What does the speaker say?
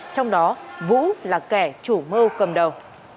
trong đó vũ là kẻ chủ mơ cầm đầu